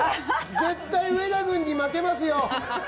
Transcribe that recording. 絶対、上田軍に負けますよ。